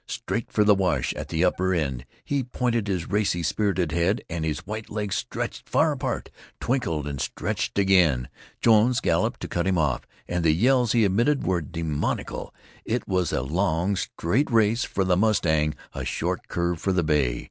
Straight for the wash at the upper end he pointed his racy, spirited head, and his white legs stretched far apart, twinkled and stretched again. Jones galloped to cut him off, and the yells he emitted were demoniacal. It was a long, straight race for the mustang, a short curve for the bay.